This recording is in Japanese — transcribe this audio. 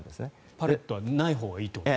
パレットはないほうがいいと。